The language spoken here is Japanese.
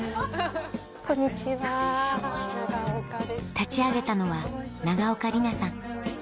立ち上げたのは永岡里菜さん